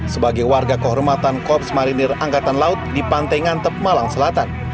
sebagai warga kehormatan korps marinir angkatan laut di pantai ngantep malang selatan